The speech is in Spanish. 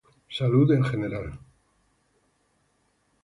salud en general